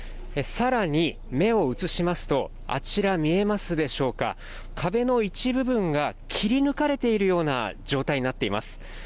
更に目を移しますと、あちら見えますでしょうか、壁の一部分が切り抜かれているような状態になっています